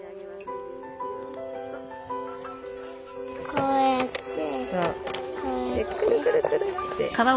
こうやってこうやって。でくるくるくるって。